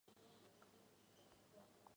母亲是侧室高木敦子。